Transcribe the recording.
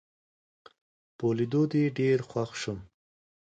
په لیدو دي ډېر خوښ شوم